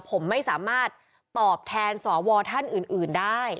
ผมไม่สามารถตอบแทนสวท่านอื่นได้